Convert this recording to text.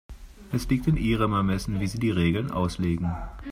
Es liegt in Ihrem Ermessen, wie Sie die Regeln auslegen.